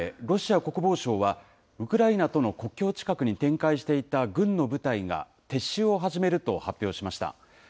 ロシア国防省は、ウクライナとの国境近くに展開していた軍の部隊が、撤収を始めると発表しました。